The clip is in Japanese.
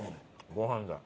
ご飯だ。